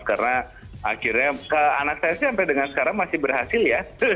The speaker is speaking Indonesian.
karena akhirnya anak saya sih sampai dengan sekarang masih berhasil ya